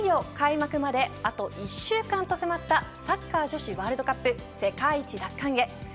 いよいよ開幕まであと一週間と迫ったサッカー女子ワールドカップ世界一奪還へ。